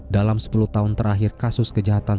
dalam sepuluh tahun terakhir kasus kejahatan